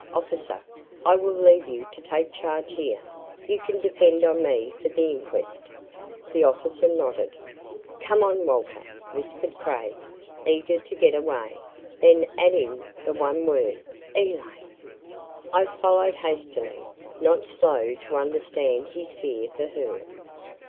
"Officer, I will leave you to take charge here. You can depend on me for the inquest." The officer nodded. "Come on, Walter," whispered Craig, eager to get away, then adding the one word, "Elaine!" I followed hastily, not slow to understand his fear for her.